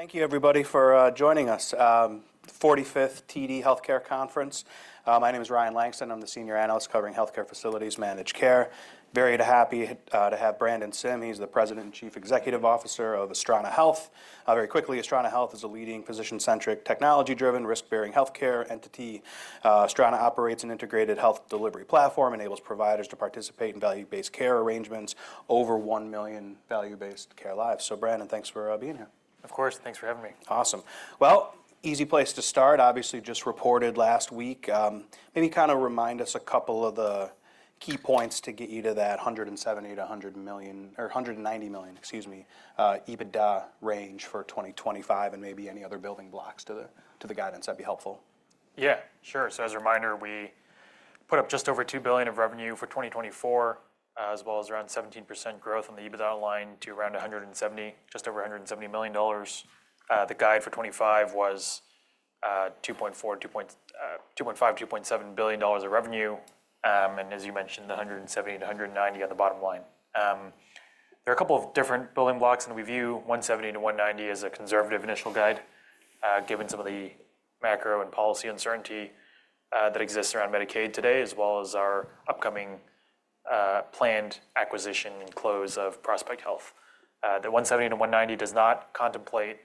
Thank you, everybody, for joining us. 45th TD Healthcare Conference. My name is Ryan Langston. I'm the Senior Analyst covering healthcare facilities managed care. Very happy to have Brandon Sim. He's the President and Chief Executive Officer of Astrana Health. Very quickly, Astrana Health is a leading physician-centric, technology-driven, risk-bearing healthcare entity. Astrana operates an integrated health delivery platform, enables providers to participate in value-based care arrangements, over one million value-based care lives. Brandon, thanks for being here. Of course. Thanks for having me. Awesome. Easy place to start. Obviously, just reported last week. Maybe kind of remind us a couple of the key points to get you to that $170 million-$190 million EBITDA range for 2025 and maybe any other building blocks to the guidance. That'd be helpful. Yeah, sure. As a reminder, we put up just over $2 billion of revenue for 2024, as well as around 17% growth on the EBITDA line to around $170, just over $170 million. The guide for 2025 was $2.5-$2.7 billion of revenue. As you mentioned, the $170-$190 on the bottom line. There are a couple of different building blocks in the review. $170-$190 is a conservative initial guide, given some of the macro and policy uncertainty that exists around Medicaid today, as well as our upcoming planned acquisition and close of Prospect Health. The $170-$190 does not contemplate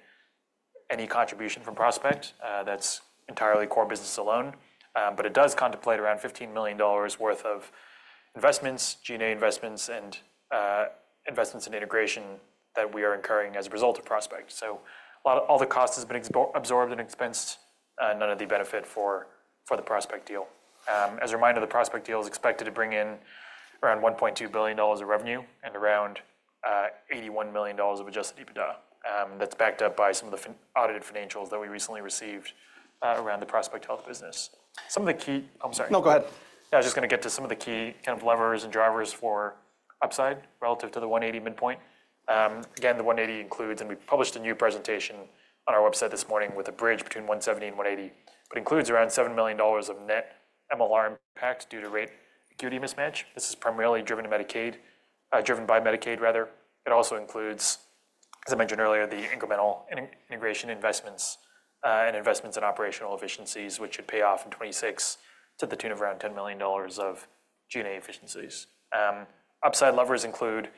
any contribution from Prospect. That is entirely core business alone. It does contemplate around $15 million worth of investments, G&A investments, and investments in integration that we are incurring as a result of Prospect. All the cost has been absorbed and expensed. None of the benefit for the Prospect deal. As a reminder, the Prospect deal is expected to bring in around $1.2 billion of revenue and around $81 million of adjusted EBITDA. That is backed up by some of the audited financials that we recently received around the Prospect Health business. Some of the key--I'm sorry. No, go ahead. Yeah, I was just going to get to some of the key kind of levers and drivers for upside relative to the $180 midpoint. Again, the $180 includes—and we published a new presentation on our website this morning with a bridge between $170 and $180—but includes around $7 million of net MLR impact due to rate acuity mismatch. This is primarily driven by Medicaid, rather. It also includes, as I mentioned earlier, the incremental integration investments and investments in operational efficiencies, which should pay off in 2026 to the tune of around $10 million of G&A efficiencies. Upside levers include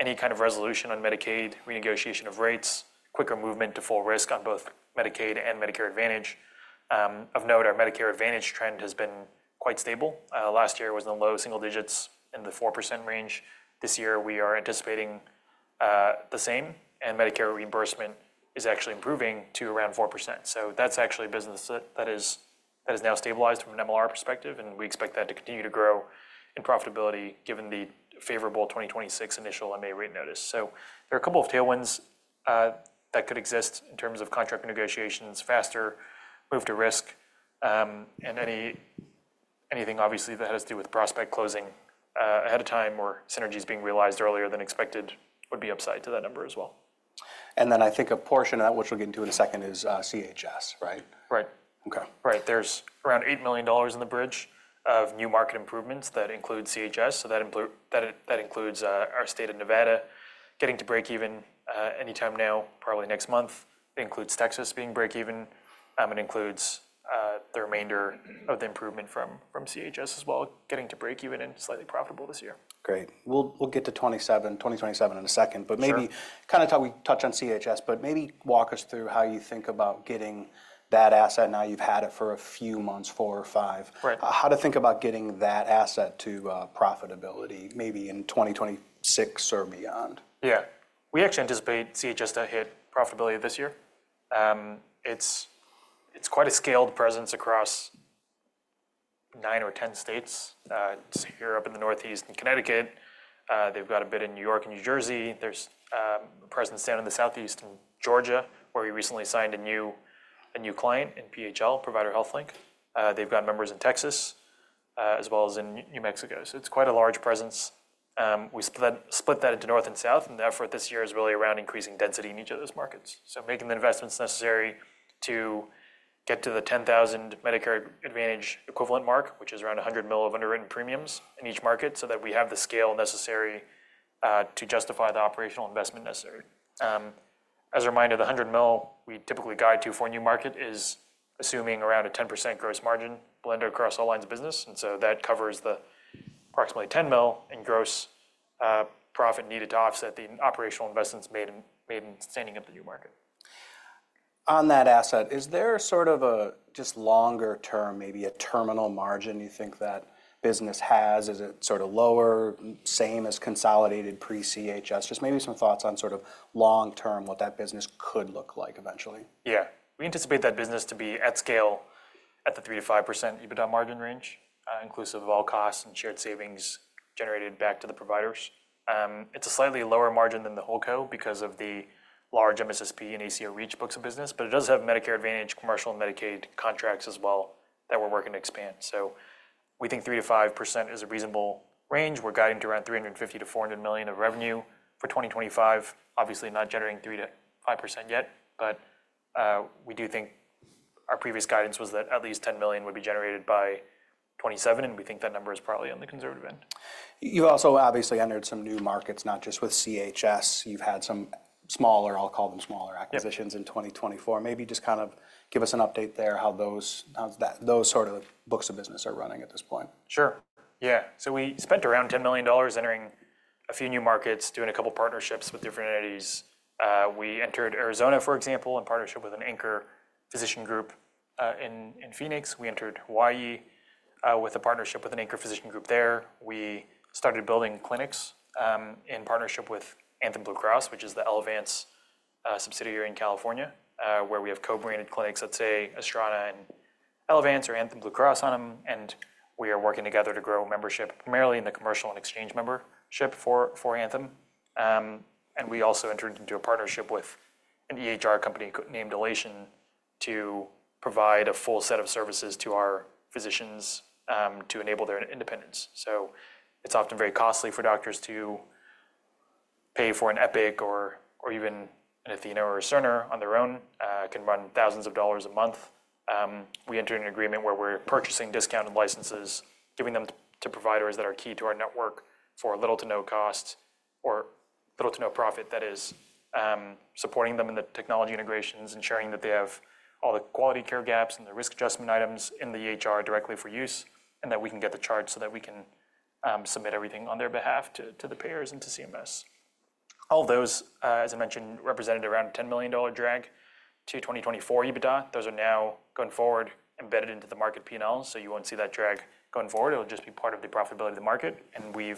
any kind of resolution on Medicaid, renegotiation of rates, quicker movement to full risk on both Medicaid and Medicare Advantage. Of note, our Medicare Advantage trend has been quite stable. Last year was in the low single digits in the 4% range. This year we are anticipating the same, and Medicare reimbursement is actually improving to around 4%. That is actually business that is now stabilized from an MLR perspective, and we expect that to continue to grow in profitability given the favorable 2026 initial MA rate notice. There are a couple of tailwinds that could exist in terms of contract renegotiations, faster move to risk, and anything obviously that has to do with Prospect closing ahead of time or synergies being realized earlier than expected would be upside to that number as well. I think a portion of that, which we'll get into in a second, is CHS, right? Right. Okay. Right. There is around $8 million in the bridge of new market improvements that include CHS. That includes our state of Nevada getting to break even anytime now, probably next month. It includes Texas being break even. It includes the remainder of the improvement from CHS as well, getting to break even and slightly profitable this year. Great. We'll get to 2027 in a second, but maybe kind of we touch on CHS, but maybe walk us through how you think about getting that asset now you've had it for a few months, four or five. How to think about getting that asset to profitability maybe in 2026 or beyond? Yeah. We actually anticipate CHS to hit profitability this year. It's quite a scaled presence across nine or ten states. It's here up in the Northeast in Connecticut. They've got a bit in New York and New Jersey. There's a presence down in the Southeast in Georgia, where we recently signed a new client in PHL, Provider Health Link. They've got members in Texas as well as in New Mexico. It's quite a large presence. We split that into North and South, and the effort this year is really around increasing density in each of those markets. Making the investments necessary to get to the 10,000 Medicare Advantage equivalent mark, which is around $100 million of underwritten premiums in each market, so that we have the scale necessary to justify the operational investment necessary. As a reminder, the $100 million we typically guide to for a new market is assuming around a 10% gross margin blended across all lines of business. That covers the approximately $10 million in gross profit needed to offset the operational investments made in standing up the new market. On that asset, is there sort of a just longer term, maybe a terminal margin you think that business has? Is it sort of lower, same as consolidated pre-CHS? Just maybe some thoughts on sort of long term, what that business could look like eventually. Yeah. We anticipate that business to be at scale at the 3%-5% EBITDA margin range, inclusive of all costs and shared savings generated back to the providers. It's a slightly lower margin than the whole co because of the large MSSP and ACO REACH books of business, but it does have Medicare Advantage, commercial, and Medicaid contracts as well that we're working to expand. We think 3%-5% is a reasonable range. We're guiding to around $350 million-$400 million of revenue for 2025. Obviously, not generating 3%-5% yet, but we do think our previous guidance was that at least $10 million would be generated by 2027, and we think that number is probably on the conservative end. You also obviously entered some new markets, not just with CHS. You've had some smaller, I'll call them smaller acquisitions in 2024. Maybe just kind of give us an update there how those sort of books of business are running at this point. Sure. Yeah. We spent around $10 million entering a few new markets, doing a couple of partnerships with different entities. We entered Arizona, for example, in partnership with an Anchor Physician Group in Phoenix. We entered Hawaii with a partnership with an Anchor Physician Group there. We started building clinics in partnership with Anthem Blue Cross, which is the Elevance subsidiary in California, where we have co-branded clinics that say Astrana and Elevance or Anthem Blue Cross on them. We are working together to grow membership, primarily in the commercial and exchange membership for Anthem. We also entered into a partnership with an EHR company named Elation to provide a full set of services to our physicians to enable their independence. It is often very costly for doctors to pay for an Epic or even an Athena or a Cerner on their own. It can run thousands of dollars a month. We entered an agreement where we're purchasing discounted licenses, giving them to providers that are key to our network for little to no cost or little to no profit that is supporting them in the technology integrations and ensuring that they have all the quality care gaps and the risk adjustment items in the EHR directly for use and that we can get the charge so that we can submit everything on their behalf to the payers and to CMS. All those, as I mentioned, represented around a $10 million drag to 2024 EBITDA. Those are now going forward embedded into the market P&L, so you won't see that drag going forward. It'll just be part of the profitability of the market. We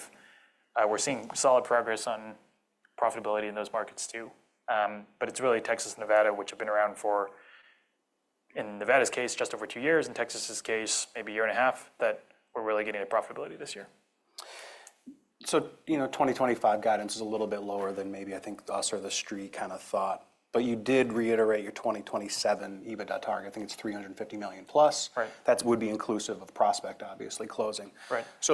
are seeing solid progress on profitability in those markets too. It is really Texas and Nevada, which have been around for, in Nevada's case, just over two years. In Texas's case, maybe a year and a half that we're really getting to profitability this year. You know, 2025 guidance is a little bit lower than maybe I think us or the street kind of thought, but you did reiterate your 2027 EBITDA target. I think it's $350 million plus. That would be inclusive of Prospect, obviously, closing.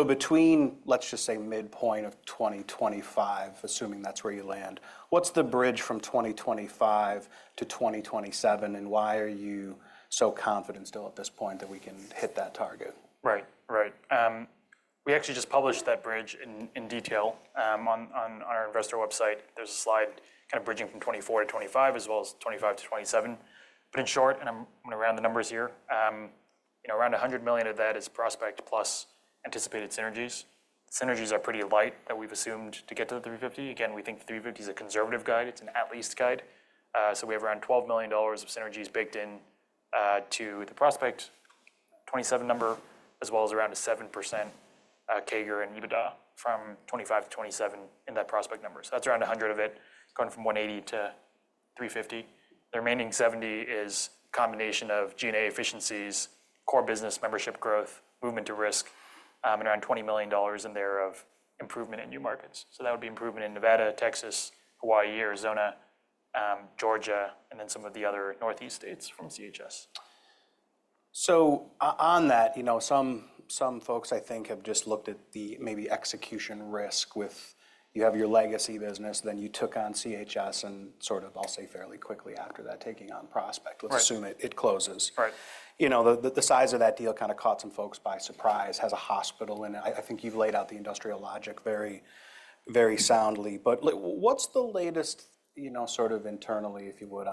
Between, let's just say, midpoint of 2025, assuming that's where you land, what's the bridge from 2025 to 2027, and why are you so confident still at this point that we can hit that target? Right, right. We actually just published that bridge in detail on our investor website. There's a slide kind of bridging from 2024 to 2025, as well as 2025 to 2027. In short, and I'm going to round the numbers here, around $100 million of that is Prospect plus anticipated synergies. Synergies are pretty light that we've assumed to get to the $350. Again, we think the $350 is a conservative guide. It's an at-least guide. We have around $12 million of synergies baked into the Prospect 2027 number, as well as around a 7% CAGR in EBITDA from 2025 to 2027 in that Prospect number. That's around $100 million of it going from $180 million to $350 million. The remaining $70 million is a combination of G&A efficiencies, core business membership growth, movement to risk, and around $20 million in there of improvement in new markets. That would be improvement in Nevada, Texas, Hawaii, Arizona, Georgia, and then some of the other Northeast states from CHS. On that, you know, some folks I think have just looked at the maybe execution risk with you have your legacy business, then you took on CHS and sort of, I'll say, fairly quickly after that, taking on Prospect. Let's assume it closes. You know, the size of that deal kind of caught some folks by surprise. It has a hospital in it. I think you've laid out the industrial logic very soundly. What's the latest sort of internally, if you would,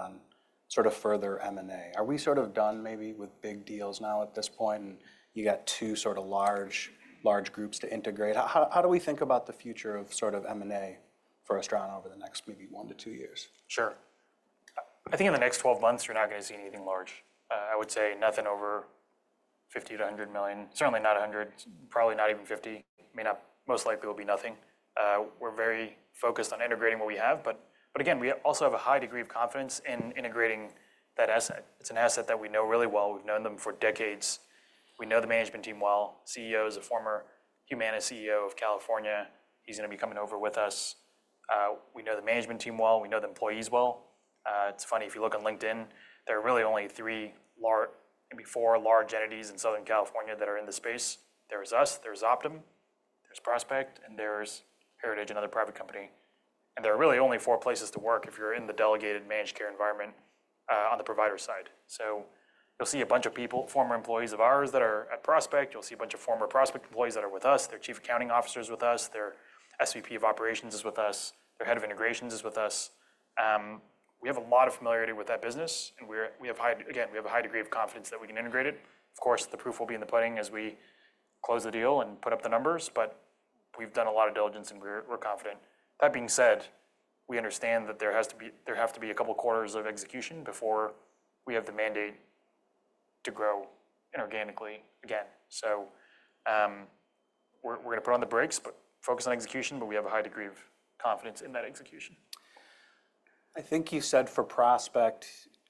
on sort of further M&A? Are we sort of done maybe with big deals now at this point and you got two sort of large groups to integrate? How do we think about the future of sort of M&A for Astrana over the next maybe one to two years? Sure. I think in the next 12 months, you're not going to see anything large. I would say nothing over $50 million-$100 million. Certainly not $100 million, probably not even $50 million. Most likely will be nothing. We're very focused on integrating what we have, but again, we also have a high degree of confidence in integrating that asset. It's an asset that we know really well. We've known them for decades. We know the management team well. CEO is a former Humana CEO of California. He's going to be coming over with us. We know the management team well. We know the employees well. It's funny, if you look on LinkedIn, there are really only three or maybe four large entities in Southern California that are in the space. There's us, there's Optum, there's Prospect, and there's Heritage, another private company. There are really only four places to work if you're in the delegated managed care environment on the provider side. You'll see a bunch of people, former employees of ours that are at Prospect. You'll see a bunch of former Prospect employees that are with us. Their Chief Accounting Officer is with us. Their SVP of Operations is with us. Their Head of Integrations is with us. We have a lot of familiarity with that business, and we have, again, we have a high degree of confidence that we can integrate it. Of course, the proof will be in the pudding as we close the deal and put up the numbers, but we've done a lot of diligence and we're confident. That being said, we understand that there have to be a couple of quarters of execution before we have the mandate to grow inorganically again. We're going to put on the brakes, but focus on execution, but we have a high degree of confidence in that execution. I think you said for Prospect,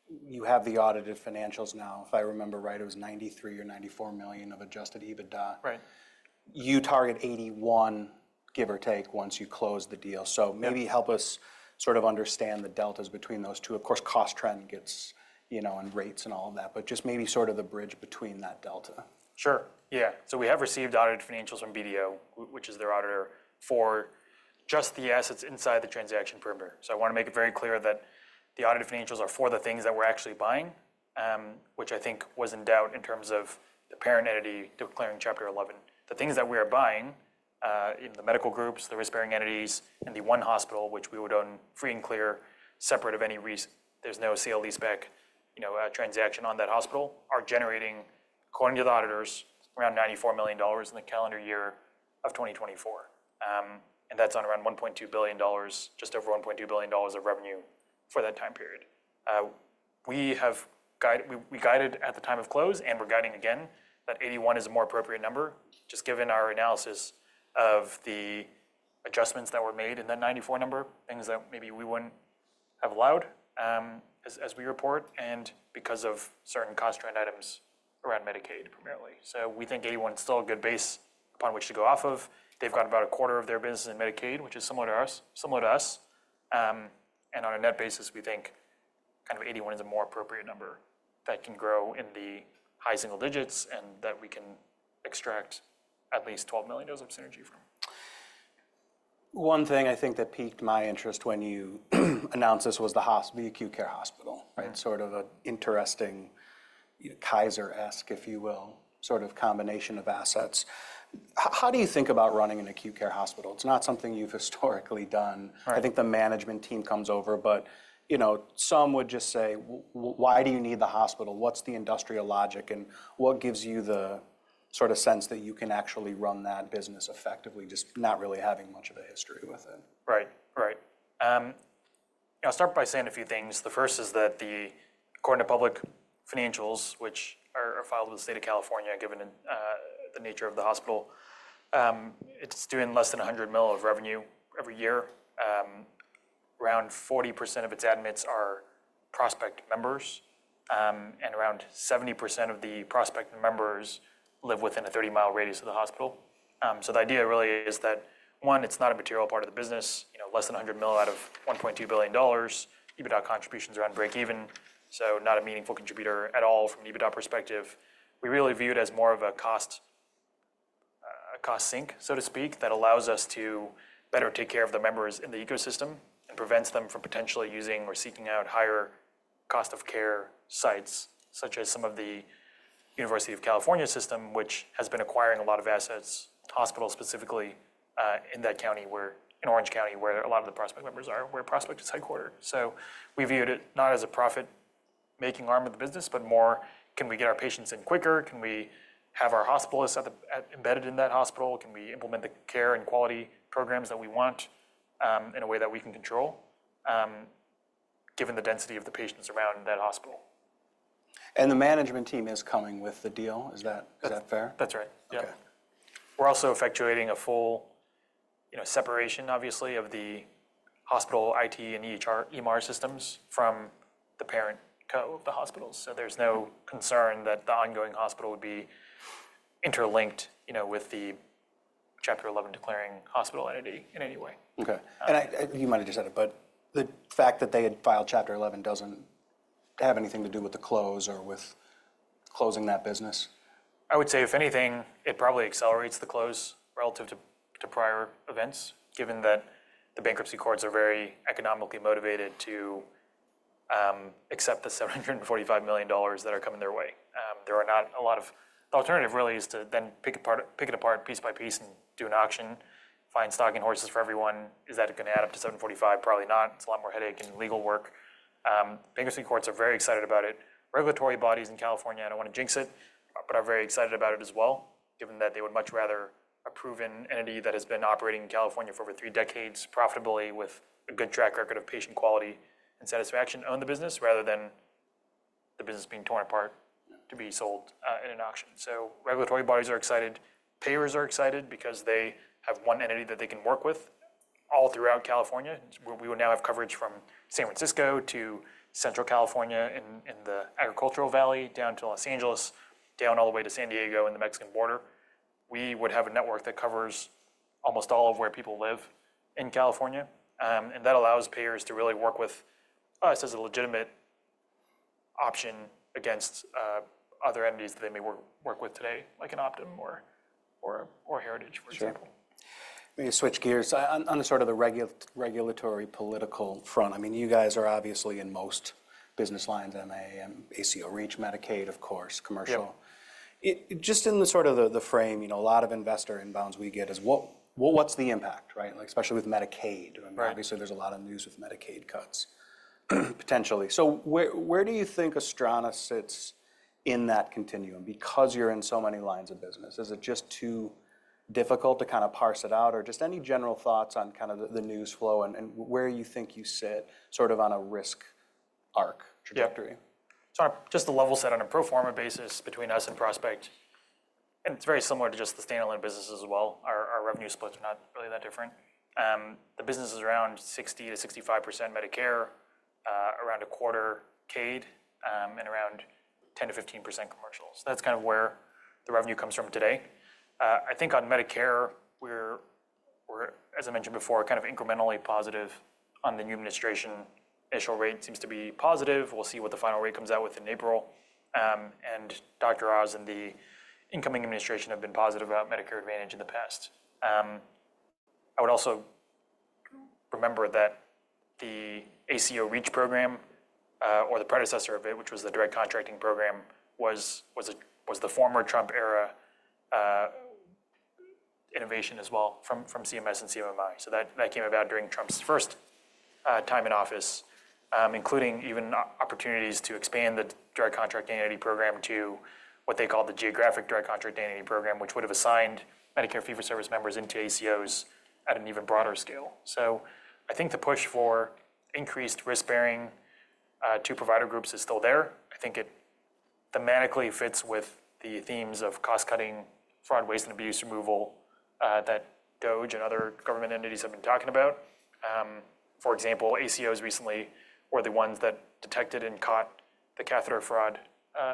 you have the audited financials now. If I remember right, it was $93 million or $94 million of adjusted EBITDA. You target $81 million, give or take, once you close the deal. Maybe help us sort of understand the deltas between those two. Of course, cost trend gets and rates and all of that, but just maybe sort of the bridge between that delta. Sure. Yeah. We have received audited financials from BDO, which is their auditor, for just the assets inside the transaction perimeter. I want to make it very clear that the audited financials are for the things that we're actually buying, which I think was in doubt in terms of the parent entity declaring Chapter 11. The things that we are buying, the medical groups, the risk-bearing entities, and the one hospital, which we would own free and clear, separate of any reason, there's no CLD spec transaction on that hospital, are generating, according to the auditors, around $94 million in the calendar year of 2024. That's on around $1.2 billion, just over $1.2 billion of revenue for that time period. We guided at the time of close, and we're guiding again, that 81 is a more appropriate number, just given our analysis of the adjustments that were made in that 94 number, things that maybe we wouldn't have allowed as we report and because of certain cost trend items around Medicaid primarily. We think 81 is still a good base upon which to go off of. They've got about a quarter of their business in Medicaid, which is similar to us. On a net basis, we think kind of 81 is a more appropriate number that can grow in the high single digits and that we can extract at least $12 million of synergy from. One thing I think that piqued my interest when you announced this was the Acute Care Hospital, right? Sort of an interesting Kaiser-esque, if you will, sort of combination of assets. How do you think about running an acute care hospital? It's not something you've historically done. I think the management team comes over, but some would just say, why do you need the hospital? What's the industrial logic and what gives you the sort of sense that you can actually run that business effectively, just not really having much of a history with it? Right, right. I'll start by saying a few things. The first is that according to public financials, which are filed with the state of California, given the nature of the hospital, it's doing less than $100 million of revenue every year. Around 40% of its admits are Prospect members, and around 70% of the Prospect members live within a 30-mi radius of the hospital. The idea really is that, one, it's not a material part of the business, less than $100 million out of $1.2 billion. EBITDA contributions are on break-even, so not a meaningful contributor at all from an EBITDA perspective. We really view it as more of a cost sink, so to speak, that allows us to better take care of the members in the ecosystem and prevents them from potentially using or seeking out higher cost of care sites, such as some of the University of California system, which has been acquiring a lot of assets, hospitals specifically in that county, in Orange County, where a lot of the Prospect members are, where Prospect is headquartered. We viewed it not as a profit-making arm of the business, but more, can we get our patients in quicker? Can we have our hospitalists embedded in that hospital? Can we implement the care and quality programs that we want in a way that we can control, given the density of the patients around that hospital? The management team is coming with the deal. Is that fair? That's right. Yeah. We're also effectuating a full separation, obviously, of the hospital IT and EHR, EMR systems from the parent co of the hospitals. There's no concern that the ongoing hospital would be interlinked with the Chapter 11 declaring hospital entity in any way. Okay. You might have just said it, but the fact that they had filed Chapter 11 does not have anything to do with the close or with closing that business? I would say, if anything, it probably accelerates the close relative to prior events, given that the bankruptcy courts are very economically motivated to accept the $745 million that are coming their way. There are not a lot of the alternative really is to then pick it apart piece by piece and do an auction, find stocking horses for everyone. Is that going to add up to $745 million? Probably not. It's a lot more headache and legal work. Bankruptcy courts are very excited about it. Regulatory bodies in California, I don't want to jinx it, but are very excited about it as well, given that they would much rather a proven entity that has been operating in California for over three decades profitably with a good track record of patient quality and satisfaction own the business rather than the business being torn apart to be sold in an auction. Regulatory bodies are excited. Payers are excited because they have one entity that they can work with all throughout California. We would now have coverage from San Francisco to Central California in the Agricultural Valley, down to Los Angeles, down all the way to San Diego and the Mexican border. We would have a network that covers almost all of where people live in California. That allows payers to really work with us as a legitimate option against other entities that they may work with today, like an Optum or Heritage, for example. Sure. Maybe switch gears. On the sort of the regulatory political front, I mean, you guys are obviously in most business lines, MA, ACO REACH, Medicaid, of course, commercial. Just in the sort of the frame, you know, a lot of investor inbounds we get is what's the impact, right? Especially with Medicaid. Obviously, there's a lot of news with Medicaid cuts potentially. Where do you think Astrana sits in that continuum? Because you're in so many lines of business, is it just too difficult to kind of parse it out? Just any general thoughts on kind of the news flow and where you think you sit sort of on a risk arc trajectory? Yeah. Just to level set, on a pro forma basis between us and Prospect, and it's very similar to just the standalone business as well. Our revenue splits are not really that different. The business is around 60-65% Medicare, around a quarter CAID, and around 10-15% commercial. That's kind of where the revenue comes from today. I think on Medicare, we're, as I mentioned before, kind of incrementally positive on the new administration. Initial rate seems to be positive. We'll see what the final rate comes out with in April. Dr. Oz and the incoming administration have been positive about Medicare Advantage in the past. I would also remember that the ACO REACH program, or the predecessor of it, which was the direct contracting program, was the former Trump era innovation as well from CMS and CMMI. That came about during Trump's first time in office, including even opportunities to expand the direct contracting entity program to what they called the geographic direct contracting entity program, which would have assigned Medicare fee-for-service members into ACOs at an even broader scale. I think the push for increased risk-bearing to provider groups is still there. I think it thematically fits with the themes of cost-cutting, fraud, waste, and abuse removal that DOJ and other government entities have been talking about. For example, ACOs recently were the ones that detected and caught the catheter fraud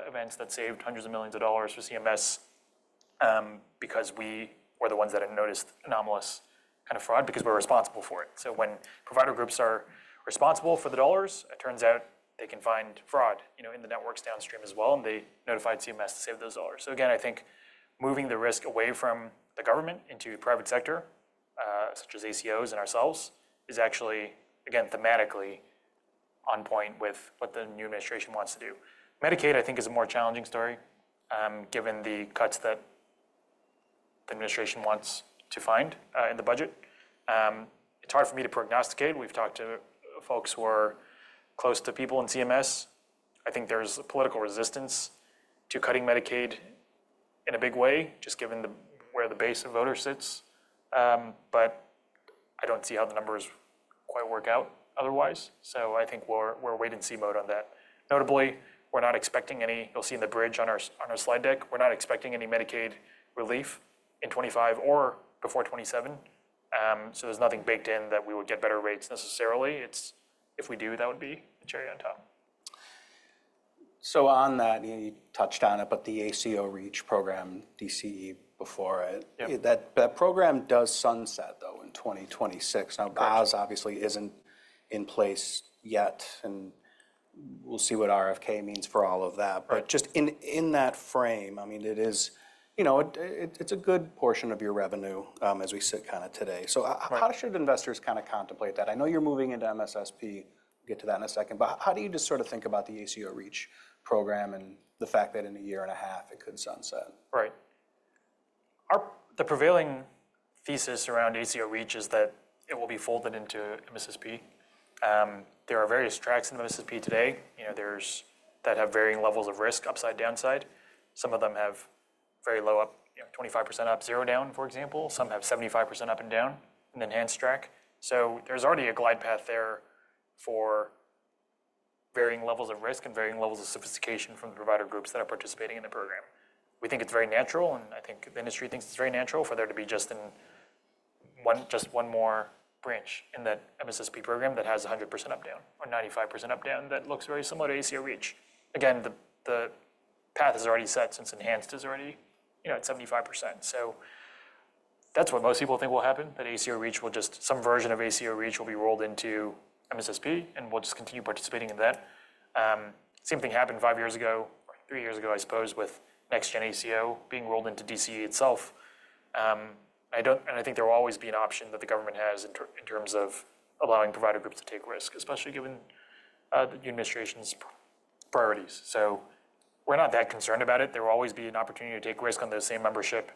events that saved hundreds of millions of dollars for CMS because we were the ones that had noticed anomalous kind of fraud because we're responsible for it. When provider groups are responsible for the dollars, it turns out they can find fraud in the networks downstream as well, and they notified CMS to save those dollars. Again, I think moving the risk away from the government into private sector, such as ACOs and ourselves, is actually, again, thematically on point with what the new administration wants to do. Medicaid, I think, is a more challenging story given the cuts that the administration wants to find in the budget. It's hard for me to prognosticate. We've talked to folks who are close to people in CMS. I think there's political resistance to cutting Medicaid in a big way, just given where the base of voters sits. I don't see how the numbers quite work out otherwise. I think we're waiting see mode on that. Notably, we're not expecting any, you'll see in the bridge on our slide deck, we're not expecting any Medicaid relief in 2025 or before 2027. There is nothing baked in that we would get better rates necessarily. If we do, that would be the cherry on top. On that, you touched on it, but the ACO REACH program, DCE before it, that program does sunset, though, in 2026. Now, BAS obviously isn't in place yet, and we'll see what RFK means for all of that. Just in that frame, I mean, it is, you know, it's a good portion of your revenue as we sit kind of today. How should investors kind of contemplate that? I know you're moving into MSSP. We'll get to that in a second. How do you just sort of think about the ACO REACH program and the fact that in a year and a half, it could sunset? Right. The prevailing thesis around ACO REACH is that it will be folded into MSSP. There are various tracks in MSSP today. There's that have varying levels of risk, upside, downside. Some of them have very low up, 25% up, zero down, for example. Some have 75% up and down, an enhanced track. There is already a glide path there for varying levels of risk and varying levels of sophistication from the provider groups that are participating in the program. We think it's very natural, and I think the industry thinks it's very natural for there to be just one more branch in that MSSP program that has 100% up down or 95% up down that looks very similar to ACO REACH. Again, the path is already set since enhanced is already at 75%. That's what most people think will happen, that ACO REACH will just, some version of ACO REACH will be rolled into MSSP, and we'll just continue participating in that. Same thing happened five years ago, three years ago, I suppose, with NextGen ACO being rolled into DCE itself. I think there will always be an option that the government has in terms of allowing provider groups to take risk, especially given the new administration's priorities. We're not that concerned about it. There will always be an opportunity to take risk on the same membership.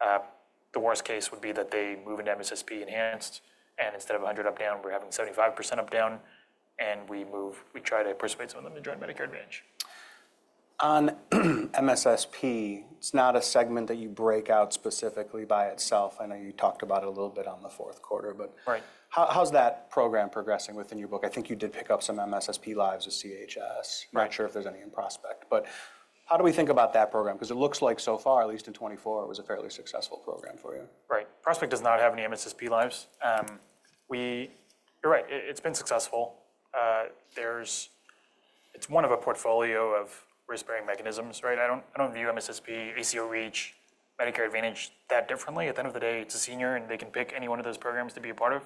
The worst case would be that they move into MSSP enhanced, and instead of 100% up down, we're having 75% up down, and we try to persuade some of them to join Medicare Advantage. On MSSP, it's not a segment that you break out specifically by itself. I know you talked about it a little bit on the fourth quarter, but how's that program progressing within your book? I think you did pick up some MSSP lives with CHS. I'm not sure if there's any in Prospect, but how do we think about that program? Because it looks like so far, at least in 2024, it was a fairly successful program for you. Right. Prospect does not have any MSSP lives. You're right. It's been successful. It's one of a portfolio of risk-bearing mechanisms, right? I don't view MSSP, ACO REACH, Medicare Advantage that differently. At the end of the day, it's a senior, and they can pick any one of those programs to be a part of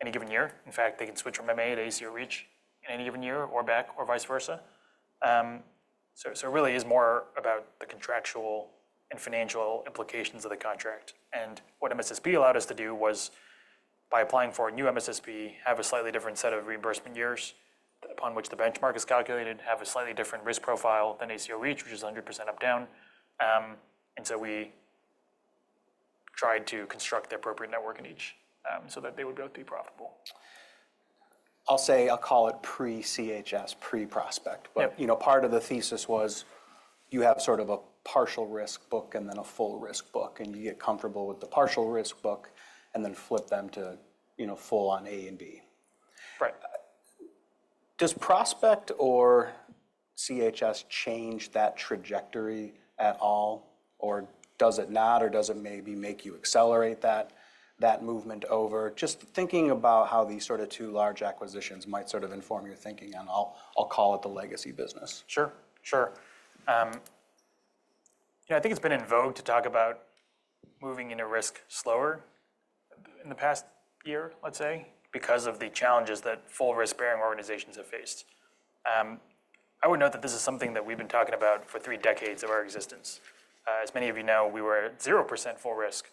any given year. In fact, they can switch from MA to ACO REACH in any given year or back or vice versa. It really is more about the contractual and financial implications of the contract. What MSSP allowed us to do was, by applying for a new MSSP, have a slightly different set of reimbursement years upon which the benchmark is calculated, have a slightly different risk profile than ACO REACH, which is 100% up down. We tried to construct the appropriate network in each so that they would both be profitable. I'll say, I'll call it pre-CHS, pre-Prospect, but you know, part of the thesis was you have sort of a partial risk book and then a full risk book, and you get comfortable with the partial risk book and then flip them to full on A and B. Right. Does Prospect or CHS change that trajectory at all, or does it not, or does it maybe make you accelerate that movement over? Just thinking about how these sort of two large acquisitions might sort of inform your thinking, and I'll call it the legacy business. Sure. Sure. You know, I think it's been in vogue to talk about moving into risk slower in the past year, let's say, because of the challenges that full risk-bearing organizations have faced. I would note that this is something that we've been talking about for three decades of our existence. As many of you know, we were at 0% full risk,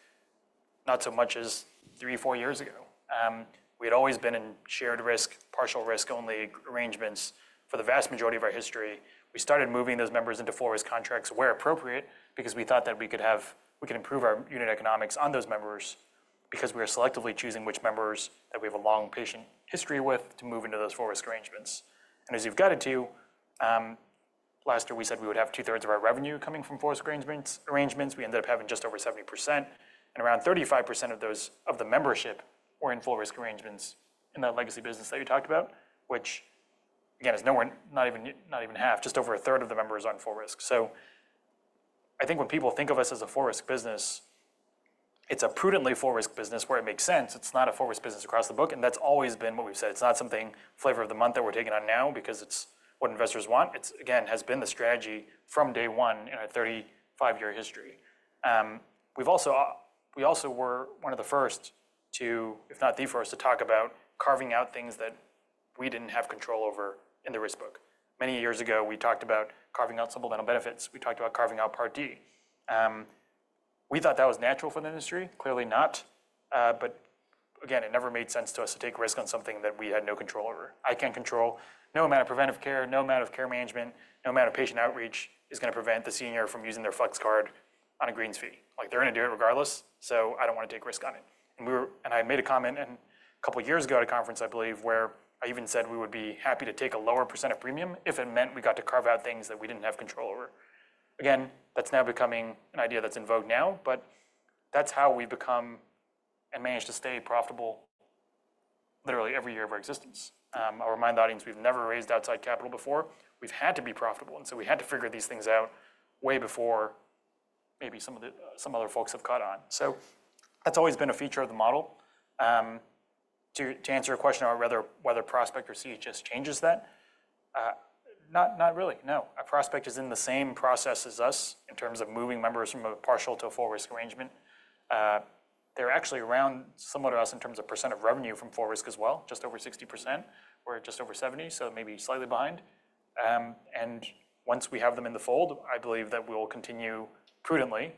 not so much as three, four years ago. We had always been in shared risk, partial risk only arrangements for the vast majority of our history. We started moving those members into full risk contracts where appropriate because we thought that we could improve our unit economics on those members because we are selectively choosing which members that we have a long patient history with to move into those full risk arrangements. As you've gotten to, last year we said we would have two-thirds of our revenue coming from full risk arrangements. We ended up having just over 70%, and around 35% of those of the membership were in full risk arrangements in that legacy business that you talked about, which, again, is nowhere not even half, just over a third of the members on full risk. I think when people think of us as a full risk business, it's a prudently full risk business where it makes sense. It's not a full risk business across the book, and that's always been what we've said. It's not something flavor of the month that we're taking on now because it's what investors want. It, again, has been the strategy from day one in our 35-year history. We also were one of the first to, if not the first, to talk about carving out things that we did not have control over in the risk book. Many years ago, we talked about carving out supplemental benefits. We talked about carving out Part D. We thought that was natural for the industry, clearly not, but again, it never made sense to us to take risk on something that we had no control over. I cannot control. No amount of preventive care, no amount of care management, no amount of patient outreach is going to prevent the senior from using their flex card on a greens fee. Like they are going to do it regardless. I do not want to take risk on it. I made a comment a couple of years ago at a conference, I believe, where I even said we would be happy to take a lower percent of premium if it meant we got to carve out things that we did not have control over. Again, that is now becoming an idea that is in vogue now, but that is how we become and manage to stay profitable literally every year of our existence. I will remind the audience, we have never raised outside capital before. We have had to be profitable, and so we had to figure these things out way before maybe some other folks have caught on. That has always been a feature of the model. To answer your question about whether Prospect or CHS changes that, not really. No. Prospect is in the same process as us in terms of moving members from a partial to a full risk arrangement. They're actually around similar to us in terms of % of revenue from full risk as well, just over 60%. We're just over 70%, so maybe slightly behind. Once we have them in the fold, I believe that we will continue prudently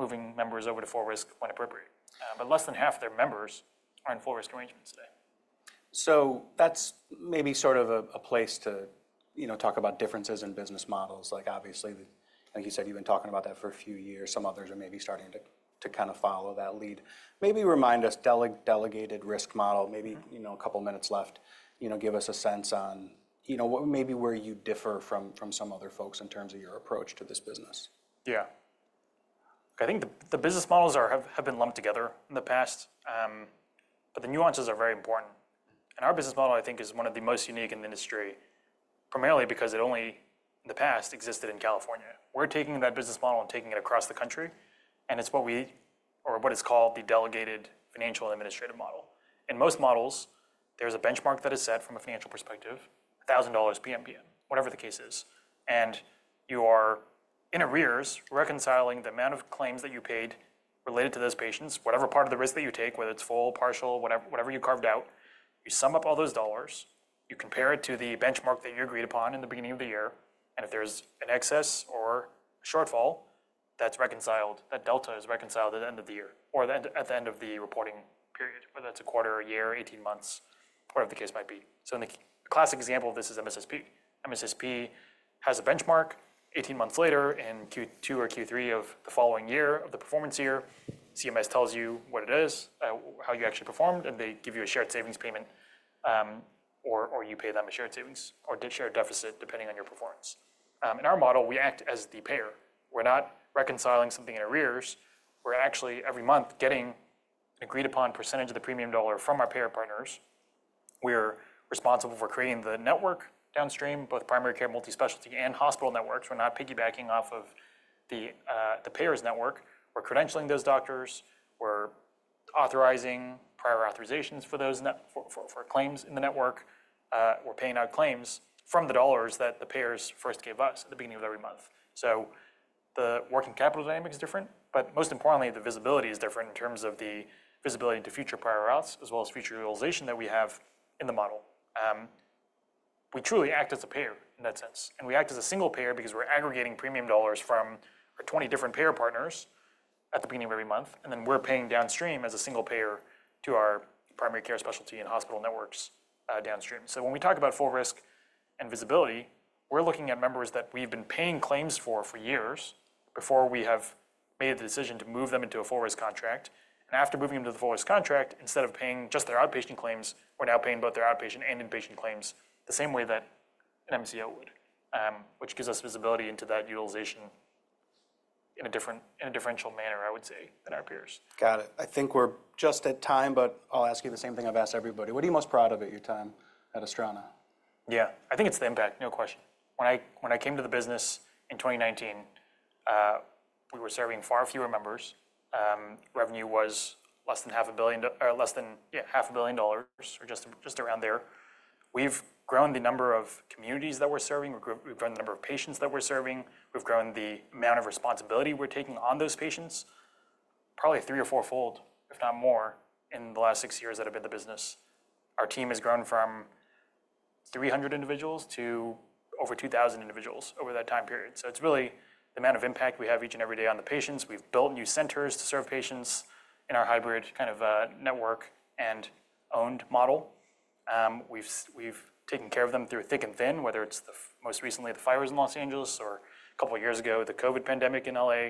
moving members over to full risk when appropriate. Less than half of their members are in full risk arrangements today. That's maybe sort of a place to talk about differences in business models. Like obviously, like you said, you've been talking about that for a few years. Some others are maybe starting to kind of follow that lead. Maybe remind us delegated risk model, maybe a couple of minutes left, give us a sense on maybe where you differ from some other folks in terms of your approach to this business. Yeah. I think the business models have been lumped together in the past, but the nuances are very important. Our business model, I think, is one of the most unique in the industry, primarily because it only in the past existed in California. We're taking that business model and taking it across the country, and it's what we or what is called the delegated financial and administrative model. In most models, there's a benchmark that is set from a financial perspective, $1,000 PMP, whatever the case is. You are in arrears reconciling the amount of claims that you paid related to those patients, whatever part of the risk that you take, whether it's full, partial, whatever you carved out. You sum up all those dollars, you compare it to the benchmark that you agreed upon in the beginning of the year, and if there's an excess or a shortfall, that's reconciled, that delta is reconciled at the end of the year or at the end of the reporting period, whether that's a quarter, a year, 18 months, whatever the case might be. The classic example of this is MSSP. MSSP has a benchmark 18 months later in Q2 or Q3 of the following year of the performance year. CMS tells you what it is, how you actually performed, and they give you a shared savings payment or you pay them a shared savings or shared deficit depending on your performance. In our model, we act as the payer. We're not reconciling something in arrears. We're actually every month getting an agreed upon percentage of the premium dollar from our payer partners. We're responsible for creating the network downstream, both primary care, multi-specialty, and hospital networks. We're not piggybacking off of the payer's network. We're credentialing those doctors. We're authorizing prior authorizations for those for claims in the network. We're paying out claims from the dollars that the payers first gave us at the beginning of every month. The working capital dynamic is different, but most importantly, the visibility is different in terms of the visibility into future prior auths as well as future utilization that we have in the model. We truly act as a payer in that sense, and we act as a single payer because we're aggregating premium dollars from our 20 different payer partners at the beginning of every month, and then we're paying downstream as a single payer to our primary care, specialty, and hospital networks downstream. When we talk about full risk and visibility, we're looking at members that we've been paying claims for for years before we have made the decision to move them into a full risk contract. After moving them to the full risk contract, instead of paying just their outpatient claims, we're now paying both their outpatient and inpatient claims the same way that an MCO would, which gives us visibility into that utilization in a differential manner, I would say, than our peers. Got it. I think we're just at time, but I'll ask you the same thing I've asked everybody. What are you most proud of at your time at Astrana? Yeah. I think it's the impact, no question. When I came to the business in 2019, we were serving far fewer members. Revenue was less than $500 million or less than $500 million or just around there. We've grown the number of communities that we're serving. We've grown the number of patients that we're serving. We've grown the amount of responsibility we're taking on those patients, probably three- or four-fold, if not more, in the last six years that have been the business. Our team has grown from 300 individuals to over 2,000 individuals over that time period. It's really the amount of impact we have each and every day on the patients. We've built new centers to serve patients in our hybrid kind of network and owned model. We've taken care of them through thick and thin, whether it's most recently the fires in Los Angeles or a couple of years ago with the COVID pandemic in LA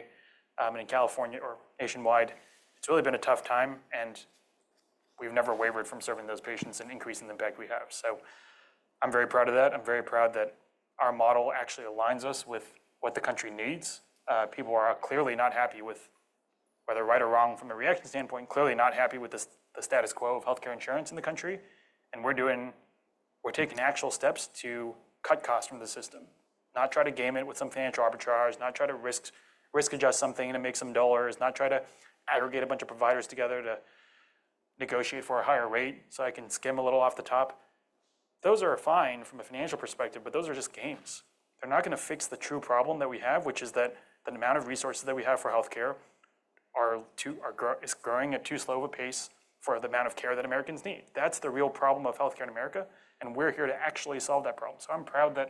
and in California or nationwide. It's really been a tough time, and we've never wavered from serving those patients and increasing the impact we have. I'm very proud of that. I'm very proud that our model actually aligns us with what the country needs. People are clearly not happy with, whether right or wrong from a reaction standpoint, clearly not happy with the status quo of healthcare insurance in the country. We're taking actual steps to cut costs from the system, not try to game it with some financial arbitrage, not try to risk adjust something to make some dollars, not try to aggregate a bunch of providers together to negotiate for a higher rate so I can skim a little off the top. Those are fine from a financial perspective, but those are just games. They're not going to fix the true problem that we have, which is that the amount of resources that we have for healthcare is growing at too slow of a pace for the amount of care that Americans need. That's the real problem of healthcare in America, and we're here to actually solve that problem. I'm proud that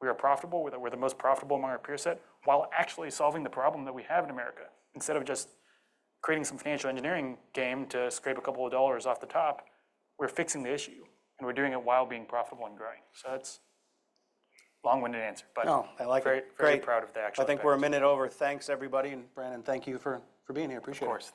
we are profitable, that we're the most profitable among our peerset while actually solving the problem that we have in America. Instead of just creating some financial engineering game to scrape a couple of dollars off the top, we're fixing the issue, and we're doing it while being profitable and growing. That's a long-winded answer, but I'm very proud of the actual work. I think we're a minute over. Thanks, everybody. Brandon, thank you for being here. Appreciate it. Sure.